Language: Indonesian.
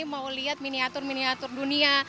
mau lihat miniatur miniatur dunia